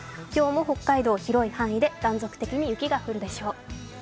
今日も北海道、広い範囲で断続的に雪が降るでしょう。